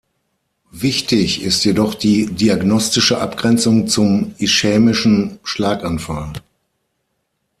Wichtig ist jedoch die diagnostische Abgrenzung zum ischämischen Schlaganfall.